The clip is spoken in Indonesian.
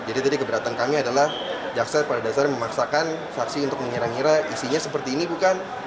jadi tadi keberatan kami adalah jaksa pada dasarnya memaksakan saksi untuk mengira ngira isinya seperti ini bukan